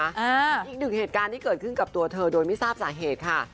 อีกหนึ่งเหตุการณ์ที่เกิดขึ้นกับตัวเธอโดยไม่ทราบสาเหตุค่ะ